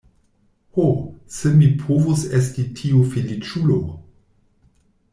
Ho, se mi povus esti tiu feliĉulo!